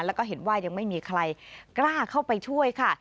แล้วก็เห็นว่ายังไม่มีใครกล้าเข้าไปช่วยค่ะ